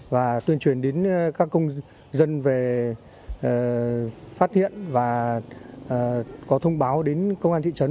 và tuyên truyền đến các công dân về phát hiện và có thông báo đến công an thị trấn